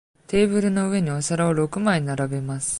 テーブルの上にお皿を六枚並べます。